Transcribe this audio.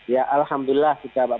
ya alhamdulillah juga pak